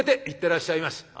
「行ってらっしゃいまし」。